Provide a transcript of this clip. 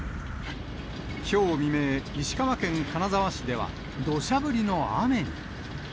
きょう未明、石川県金沢市ではどしゃ降りの雨に。